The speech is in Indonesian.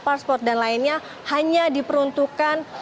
pasport dan lainnya hanya diperuntukkan